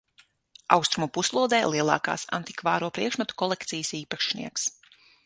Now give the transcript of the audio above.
Austrumu puslodē lielākās antikvāro priekšmetu kolekcijas īpašnieks.